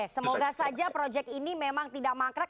semoga saja proyek ini memang tidak mangkrak